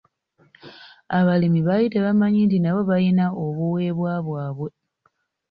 Abalimi baali tebamanyi nti nabo balina obuweebwa bwabwe.